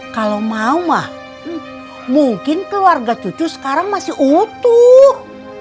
kalau mau mah mungkin keluarga cucu sekarang masih utuh